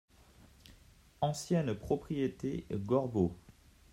Ancienne propriété Gorbeau.